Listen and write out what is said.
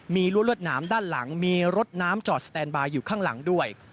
มีรั้วรวดหนามด้านหลังมีรถน้ำจอดสแตนบายอยู่ข้างหลังด้วย